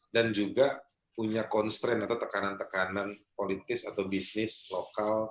dan juga punya constraint atau tekanan tekanan politis atau bisnis lokal